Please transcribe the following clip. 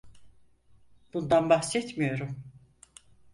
Bundan bahsetmiyorum.